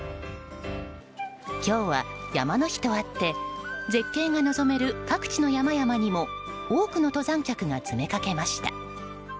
今日は山の日とあって絶景が望める各地の山々にも多くの登山客が詰めかけました。